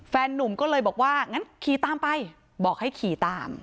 นุ่มก็เลยบอกว่างั้นขี่ตามไปบอกให้ขี่ตาม